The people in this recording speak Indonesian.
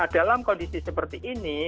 dalam kondisi seperti ini